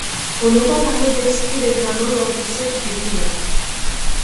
On entend parler d'esprit d'examen lors du siècle des Lumières.